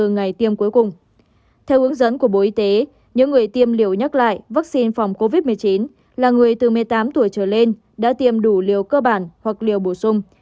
nếu người tiêm liều nhắc lại vắc xin phòng covid một mươi chín là người từ một mươi tám tuổi trở lên đã tiêm đủ liều cơ bản hoặc liều bổ sung